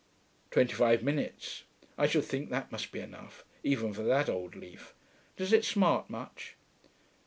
Twenty five minutes: I should think that must be enough, even for that old leaf. Does it smart much?'